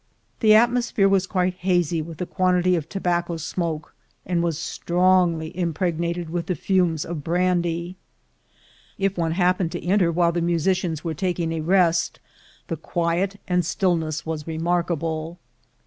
The atmosphere was quite hazy with the quantity of tobacco smoke, and was strongly im pregnated with the fumes of brandy. If one hap pened to enter while the musicians were taking a rest, the quiet and stillness weie remarkable.